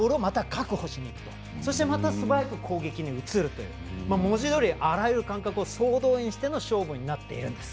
そして、また素早く攻撃に移るという文字どおりあらゆる感覚を総動員しての勝負になっているんです。